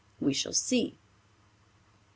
We shall see.